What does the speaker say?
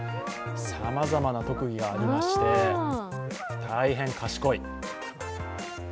さまざまな特技がありまして、大変賢い。